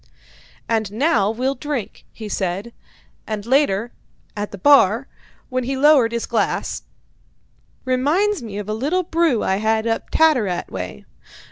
"And now we'll drink," he said; and later, at the bar, when he lowered his glass: "Reminds me of a little brew I had up Tattarat way.